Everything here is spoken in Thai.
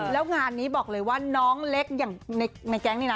แล้วงานนี้บอกเลยว่าน้องเล็กอย่างในแก๊งนี้นะ